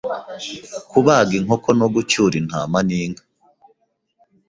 kubaga inkoko no gucyura intama n’inka